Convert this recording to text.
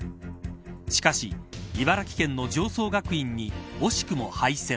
しかし、茨城県の常総学院に惜しくも敗戦。